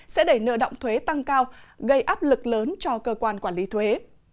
sẽ đẩy nợ động thuế tăng cao gây áp lực lớn cho cơ quan quản lý thuế